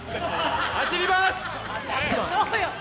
走ります！